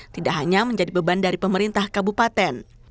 tidak hanya menjadi beban dari pemerintah kabupaten